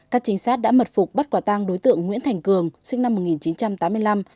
các trinh sát đã mật phục bắt quả tang đối tượng nguyễn thành cường sinh năm một nghìn chín trăm tám mươi năm